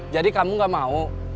jadi kamu gak mau